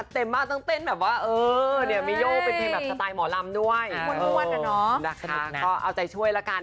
เรื่องเป็นปีหน้าแล้วนางเหลือน